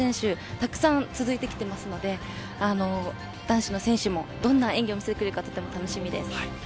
たくさん続いてきていますので男子の選手もどんな演技を見せてくれるのかとても楽しみです。